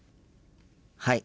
はい。